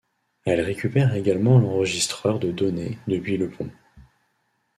Elle récupère également l'enregistreur de données depuis le pont.